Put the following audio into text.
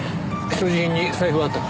所持品に財布はあったか？